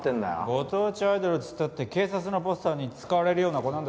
ご当地アイドルっつったって警察のポスターに使われるような子なんだぞ。